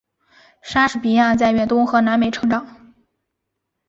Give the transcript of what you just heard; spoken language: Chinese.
莎士比亚在远东和南美成长。